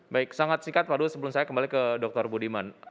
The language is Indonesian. baik sangat singkat pak duo sebelum saya kembali ke dr budiman